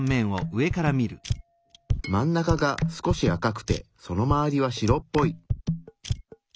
真ん中が少し赤くてその周りは白っぽい。